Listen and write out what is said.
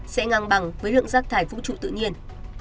sẽ ngang bằng với lượng rác thải vũ trụ tự nhiên